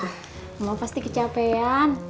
emang pasti kecapean